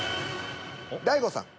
大悟さん。